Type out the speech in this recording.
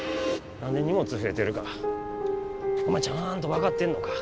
何で荷物増えてるかお前ちゃんと分かってんのか？